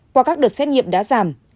qua các đợt xét nghiệm đã giảm